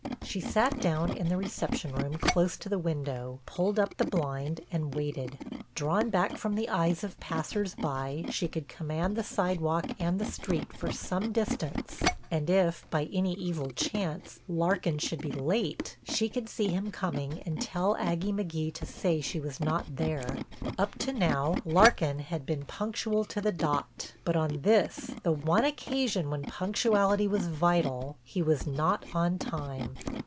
She sat down in the reception room close to the window, pulled up the blind and waited. Drawn back from the eyes of passers by she could command the sidewalk and the street for some distance and if, by any evil chance, Larkin should be late, she could see him coming and tell Aggie McGee to say she was not there. Up to now Larkin had been punctual to the dot, but on this, the one occasion when punctuality was vital, he was not on time.